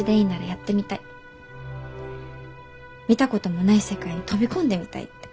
見たこともない世界に飛び込んでみたいって。